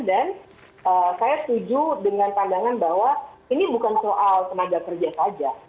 dan saya setuju dengan pandangan bahwa ini bukan soal tenaga kerja saja